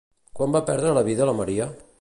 Quan va perdre la vida la Maria?